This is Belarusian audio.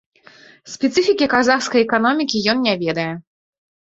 Спецыфікі казахскай эканомікі ён не ведае.